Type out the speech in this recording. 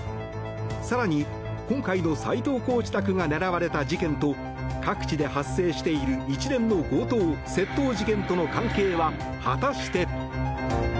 更に、今回の斎藤コーチ宅が狙われた事件と各地で発生している一連の強盗・窃盗事件との関係は果たして。